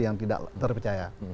yang tidak terpercaya